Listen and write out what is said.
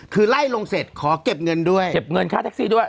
คือไล่ลงเสร็จขอเก็บเงินด้วยเก็บเงินค่าแท็กซี่ด้วย